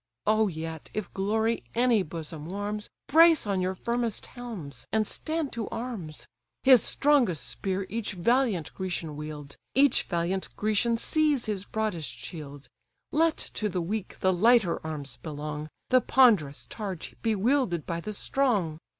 Oh yet, if glory any bosom warms, Brace on your firmest helms, and stand to arms: His strongest spear each valiant Grecian wield, Each valiant Grecian seize his broadest shield; Let to the weak the lighter arms belong, The ponderous targe be wielded by the strong.